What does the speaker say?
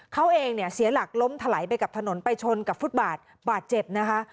เขาเองเสียหลักล้มถลายไปกับถนนไปชนกับฟุตบาด๗นะคะ